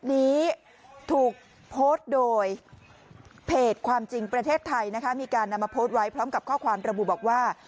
นี้ถูกโพสต์โดยเพจความจริงประเทศไทยนะคะมีการนำมาโพสต์ไว้พร้อมกับข้อความระบุบอกว่า